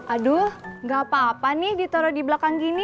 aduh gak apa apa nih ditaruh di belakang gini